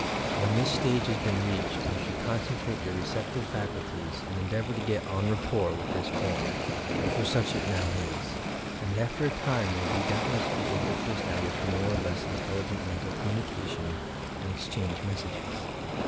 When this stage has been reached you should concentrate your receptive faculties and endeavour to get en rapport with this form (for such it now is) and after a time you will doubtless be able to establish more or less intelligent mental communication and exchange messages.